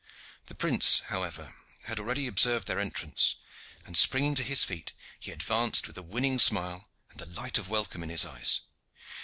The prince, however, had already observed their entrance, and, springing to his feet, he had advanced with a winning smile and the light of welcome in his eyes.